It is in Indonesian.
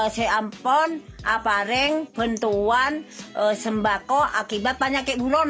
saya minta apalagi bantuan sembako akibat penyakit duluan